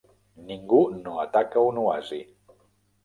Ningú no ataca un oasi.